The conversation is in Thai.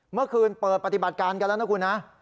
เมื่อคืนเปิดปฏิบัติการกันแล้วนะคุณนะ